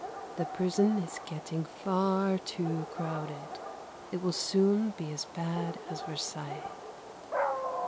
The prison is getting far too crowded. It will soon be as bad as Versailles.